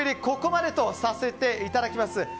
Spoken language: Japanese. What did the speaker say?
ここまでとさせていただきます。